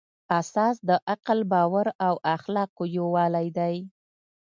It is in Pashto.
اساس د عقل، باور او اخلاقو یووالی دی.